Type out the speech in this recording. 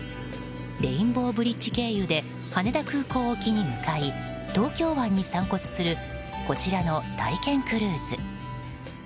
レインボーブリッジ経由で羽田空港沖へ向かい東京湾に散骨するこちらの体験クルーズ。